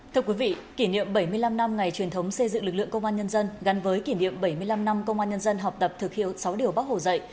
thưa quý vị kỷ niệm bảy mươi năm năm ngày truyền thống xây dựng lực lượng công an nhân dân gắn với kỷ niệm bảy mươi năm năm công an nhân dân học tập thực hiệu sáu điều bác hồ dạy